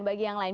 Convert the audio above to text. bagi yang lain